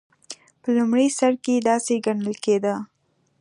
په لومړي سر کې داسې ګڼل کېده.